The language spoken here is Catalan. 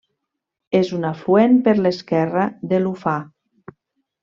És un afluent per l'esquerra de l'Ufà.